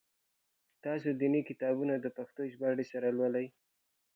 تاسو دیني کتابونه د پښتو ژباړي سره لولی؟